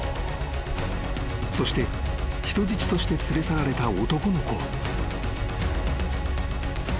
［そして人質として連れ去られた男の子を］